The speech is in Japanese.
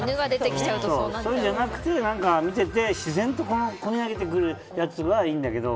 そういうんじゃなくて見てて自然とこみあげてくるやつはいいんだけど。